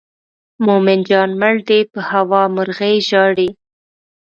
مومن جان مړ دی په هوا مرغۍ ژاړي.